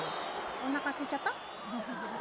おなかすいちゃった？